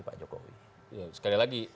pak jokowi sekali lagi